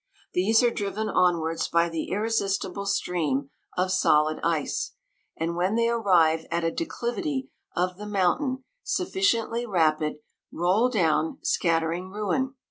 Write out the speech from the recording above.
These are driven onwards by the irre sistible stream of solid ice; and when they arrive at a declivity of the moun tain, sufficiently rapid, roll down, scat tering ruin.